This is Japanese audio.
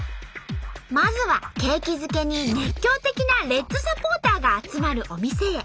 まずは景気づけに熱狂的なレッズサポーターが集まるお店へ。